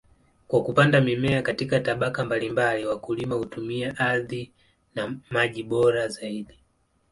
Kwa kupanda mimea katika tabaka mbalimbali, wakulima hutumia ardhi na maji bora zaidi.